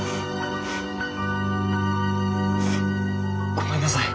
ごめんなさい。